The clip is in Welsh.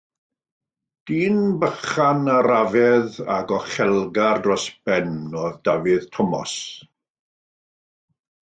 Dyn bychan, arafaidd a gochelgar dros ben oedd Dafydd Tomos.